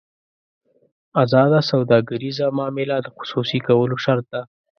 ازاده سوداګریزه معامله د خصوصي کولو شرط ده.